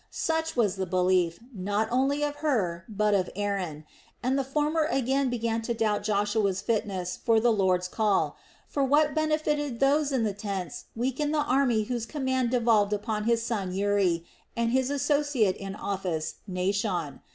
Such was the belief, not only of Hur but of Aaron, and the former again began to doubt Joshua's fitness for the Lord's call; for what benefited those in the tents weakened the army whose command devolved upon his son Uri and his associate in office Naashon.